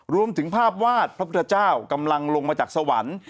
รวมถึงภาพวาดพระพุทธเจ้ากำลังลงมาจากสวรรค์